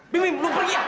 bim bim lo pergi